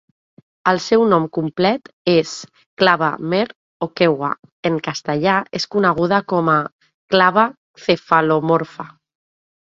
El seu nom complet és "clava mer okewa"; en castellà, és coneguda com a "clava cefalomorfa".